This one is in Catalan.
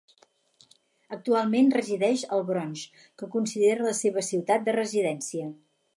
Actualment resideix al Bronx que considera la seva ciutat de residència.